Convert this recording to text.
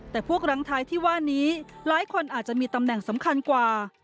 แต่พวกร้างท้ายที่ว่านี้หลายคนอาจจะมีตำแหน่งสำคัญกว่า